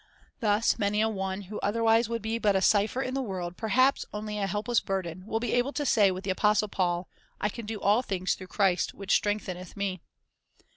Thus many a one who otherwise would be but a cipher in the world, perhaps only a helpless burden, will be able to say with the apostle Paul, "I can do all things through Christ which strengthened me."'